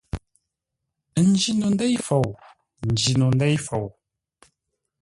N njîno ndêi fou, n njîno ndêi fou.